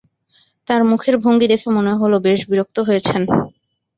তাঁর মুখের ভঙ্গি দেখে মনে হল বেশ বিরক্ত হয়েছেন।